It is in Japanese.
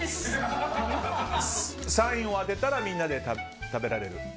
３位を当てたらみんなで食べられる？